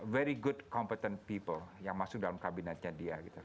very good competent people yang masuk dalam kabinetnya dia